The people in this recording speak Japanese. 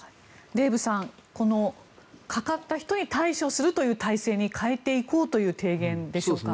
デーブさん、かかった人に対処するという体制に変えていこうという提言でしょうか。